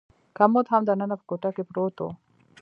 کمود هم دننه په کوټه کې پروت و.